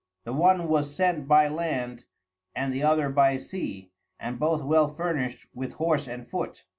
The one was sent by Land and the other by Sea, and both well furnished with Horse and Foot.